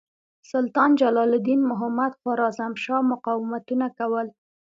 سلطان جلال الدین محمد خوارزمشاه مقاومتونه کول.